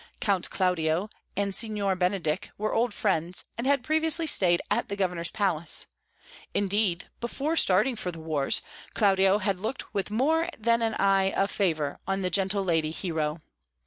Count Claudio and Signor Benedick were old friends, and had previously stayed at the Governor's palace; indeed, before starting for the wars Claudio had looked with more than an eye of favour on the gentle lady Hero.